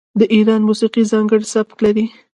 د ایران موسیقي ځانګړی سبک لري.